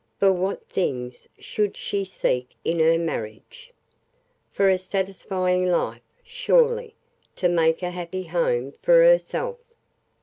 For what things should she seek in her marriage? For a satisfying life, surely; to make a happy home for herself